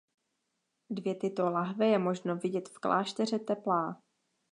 Dvě tyto lahve je možno vidět v Klášteře Teplá.